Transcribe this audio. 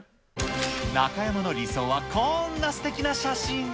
中山の理想はこんなすてきな写真。